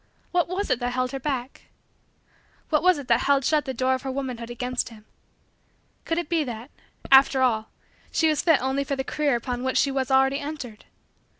What was it that held her back? What was it that held shut the door of her womanhood against him? Could it be that, after all, she was fit only for the career upon which she was already entered?